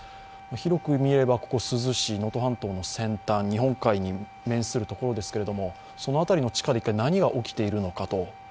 広く見れば、ここは珠洲市、能登半島の先端、日本海に面するところですけれども、その辺りの地下で一体何が起こっているのか。